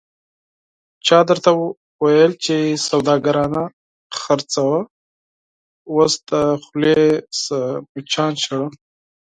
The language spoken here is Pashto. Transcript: چا درته ویل چې سودا گرانه خرڅوه، اوس د خولې نه مچان شړه...